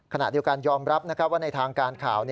ขณะเดียวกันยอมรับว่าในทางการข่าว